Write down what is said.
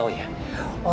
buknya dia nipu